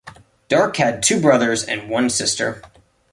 Darke had two brothers and one sister.